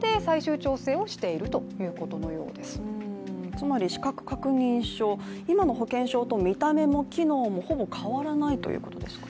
つまり資格確認書、今の保険証と見た目も機能もほぼ変わらないということでしょうか。